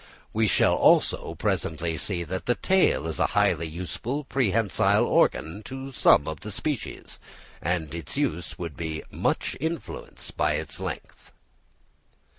We shall, also, presently see that the tail is a highly useful prehensile organ to some of the species; and its use would be much influence by its length.